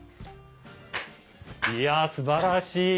いやすばらしい。